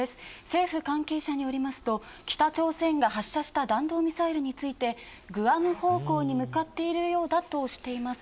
政府関係者によると北朝鮮が発射した弾道ミサイルについてグアム方向に向かっているようだとしています。